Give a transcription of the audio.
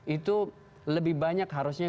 itu lebih banyak harusnya